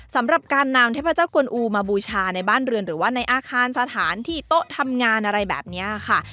สำหรับการนำเทพเจ้ากวนอูมาบูชาในบ้านเรือนหรือว่าในอาคารสถานที่โต๊ะทำงานอะไรแบบนี้ค่ะ